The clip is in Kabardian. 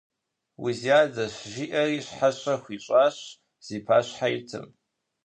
Узиадэщ, – жиӀэри щхьэщэ хуищӀащ зи пащхьэ итым.